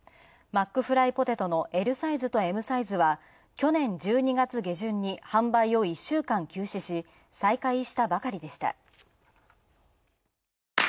マックフライポテトのＬサイズとＭサイズは去年１２月下旬に販売を１週間休止し再開したばかりでした。